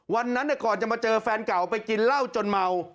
วันนั้นก่อนจะมาเจอแฟนเก่าไปกินเหล้าจนเมา